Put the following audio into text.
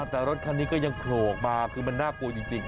แต่รถคันนี้ก็ยังโผล่ออกมาคือมันน่ากลัวจริง